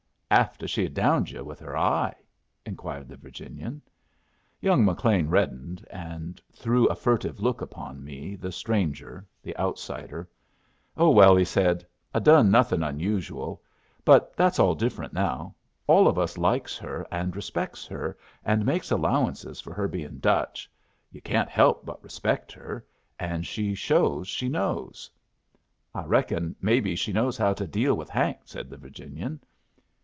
"Afteh she had downed yu' with her eye?" inquired the Virginian. Young McLean reddened, and threw a furtive look upon me, the stranger, the outsider. "Oh, well," he said, "I done nothing onusual. But that's all different now. All of us likes her and respects her, and makes allowances for her bein' Dutch. Yu' can't help but respect her. And she shows she knows." "I reckon maybe she knows how to deal with Hank," said the Virginian.